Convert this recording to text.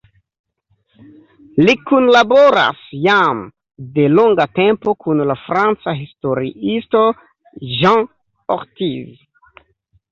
Li kunlaboras jam de longa tempo kun la franca historiisto Jean Ortiz.